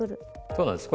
そうなんです。